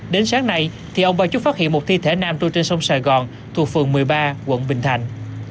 đến sáng nay ông bà trúc phát hiện một thi thể nam trôi trên sông sài gòn thuộc phường một mươi ba quận bình thạnh